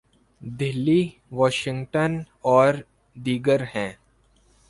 Delhi, Washington اور ''دیگر" ہیں۔